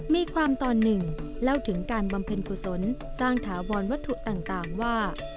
มีความตอนหนึ่งเล่าถึงการบำเพ็ญกุศลสร้างถาวรวัตถุต่างว่า